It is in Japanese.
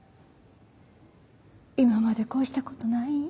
今まで恋したことないん？